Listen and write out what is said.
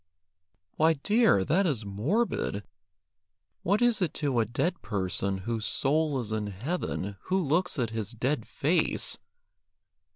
"Why, dear, that is morbid. What is it to a dead person, whose soul is in heaven, who looks at his dead face?